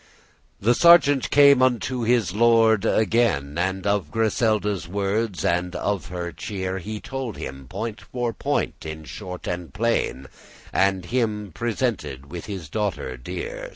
The sergeant came unto his lord again, And of Griselda's words and of her cheer* *demeanour He told him point for point, in short and plain, And him presented with his daughter dear.